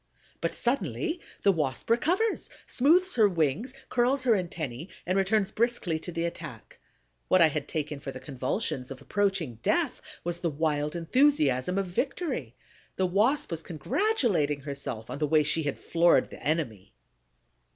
But suddenly the Wasp recovers, smooths her wings, curls her antennæ, and returns briskly to the attack. What I had taken for the convulsions of approaching death was the wild enthusiasm of victory. The Wasp was congratulating herself on the way she had floored the enemy.